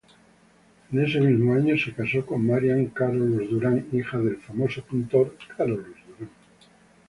En ese mismo año, se casó con Marianne Carolus-Duran, hija del famoso pintor Carolus-Duran.